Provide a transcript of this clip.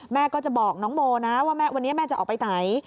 แม่ก็จะบอกน้องโมนะว่าวันนี้แม่จะออกไปไหน